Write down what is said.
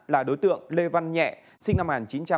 là đối tượng lê văn nhẹ sinh năm một nghìn chín trăm chín mươi sáu